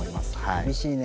厳しいね。